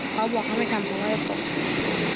เขาบอกเข้าไปทำก็เลยตก